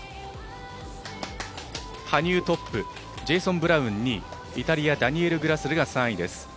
羽生、トップジェイソン・ブラウン、２位イタリアダニエル・グラスルが３位です。